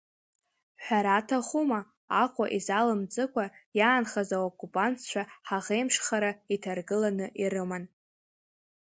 Ҳәара аҭахума, Аҟәа изалымҵыкәа иаанхаз, аоккупантцәа ҳаӷеимшхара иҭаргыланы ирыман.